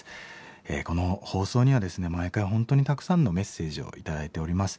この放送にはですね毎回本当にたくさんのメッセージを頂いております。